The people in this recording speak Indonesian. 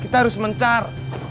kita harus mencar